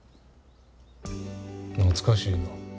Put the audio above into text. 懐かしいな。